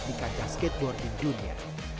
di kajah skateboarding dunia